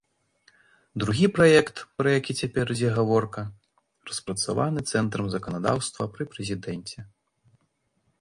Другі праект, пра які цяпер ідзе гаворка, распрацаваны цэнтрам заканадаўства пры прэзідэнце.